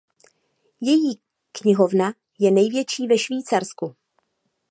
Její knihovna je největší ve Švýcarsku.